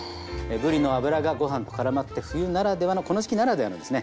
ぶりの脂がご飯と絡まって冬ならではのこの時期ならではのですね